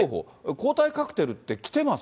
抗体カクテルってきてます？